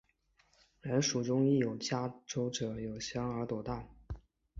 然蜀中亦为嘉州者有香而朵大。